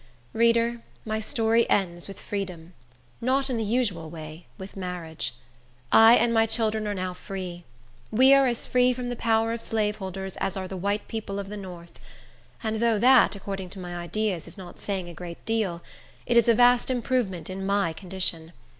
Reader, my story ends with freedom; not in the usual way, with marriage. I and my children are now free! We are as free from the power of slaveholders as are the white people of the north; and though that, according to my ideas, is not saying a great deal, it is a vast improvement in my condition.